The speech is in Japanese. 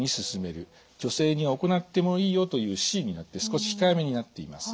女性には行ってもいいよというＣになって少し控えめになっています。